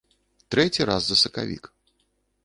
Трэці раз за сакавік.